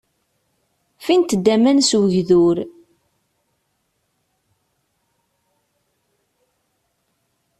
Ffint-d aman s ugdur.